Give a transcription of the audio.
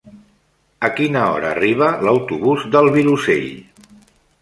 A quina hora arriba l'autobús del Vilosell?